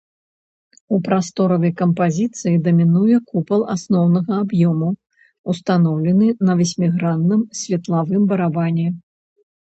У прасторавай кампазіцыі дамінуе купал асноўнага аб'ёму, устаноўлены на васьмігранным светлавым барабане.